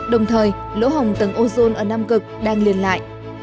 đồng thời lỗ hồng tầng ozone ở nam cực đang liền lại